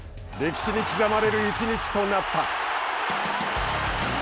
歴史に刻まれる１日となった。